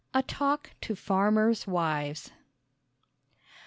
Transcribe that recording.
A Talk to Farmers' Wives.